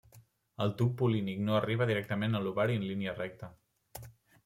El tub pol·línic no arriba directament a l'ovari en línia recta.